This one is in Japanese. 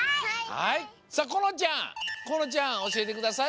このちゃんこのちゃんおしえてください。